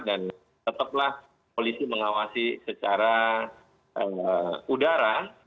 dan tetaplah polisi mengawasi secara udara